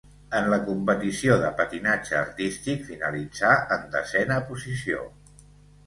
En la competició de patinatge artístic finalitzà en desena posició.